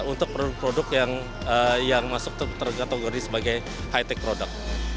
untuk produk produk yang masuk kategori sebagai high tech product